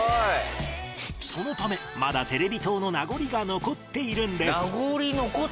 そのためまだテレビ塔の名残が残っているんです